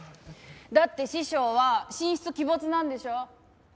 だって師匠は神出鬼没なんでしょ？